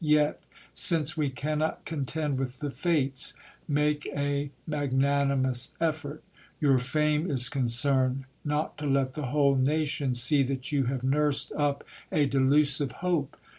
Yet, since we cannot contend with the fates, make a magnanimous effort. Your fame is concerned, not to let the whole nation see that you have nursed up a delusive hope.